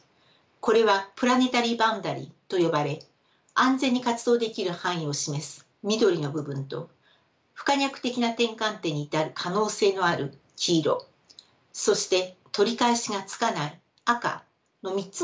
これはプラネタリー・バウンダリーと呼ばれ安全に活動できる範囲を示す緑の部分と不可逆的な転換点に至る可能性のある黄色そして取り返しがつかない赤の３つの領域から出来ています。